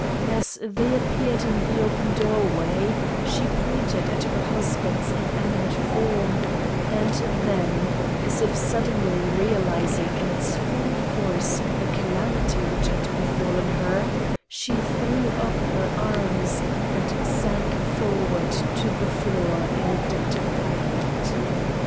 As they appeared in the open doorway, she pointed at her husband's inanimate form, and then, as if suddenly realizing in its full force the calamity which had befallen her, she threw up her arms, and sank forward to the floor in a dead faint.